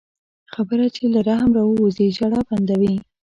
خبره چې له رحم راووځي، ژړا بندوي